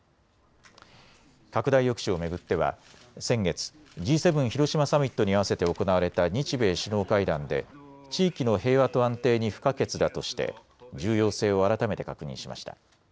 拡大抑止を巡っては先月、Ｇ７広島サミットに合わせて行われた日米首脳会談で地域の平和と安定に不可欠だとして重要性を改めて確認しました。